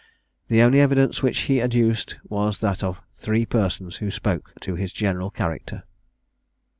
The only evidence which he adduced was that of three persons who spoke to his general character.